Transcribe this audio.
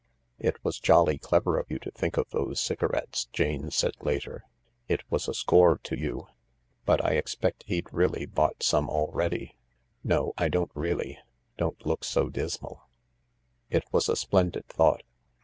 " It was jolly clever of you to think of those cigarettes," Jane said later ; "it was a score to you. But I expect he'd really bought some already. No, I don't really — doti't look so dismal ; it was a splendid thought.